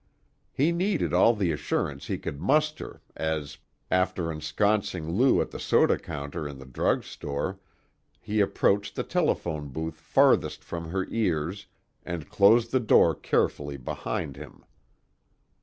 He needed all the assurance he could muster as, after ensconcing Lou at the soda counter in the drug store, he approached the telephone booth farthest from her ears and closed the door carefully behind him.